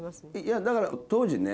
だから当時ね。